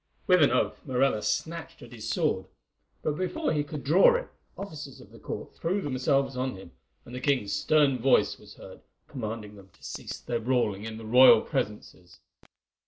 With an oath Morella snatched at his sword; but, before he could draw it, officers of the court threw themselves on him, and the king's stern voice was heard commanding them to cease their brawling in the royal presences.